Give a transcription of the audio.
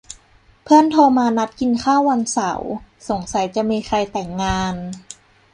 เพื่อนโทรมานัดกินข้าววันเสาร์ สงสัยจะมีใครแต่งงาน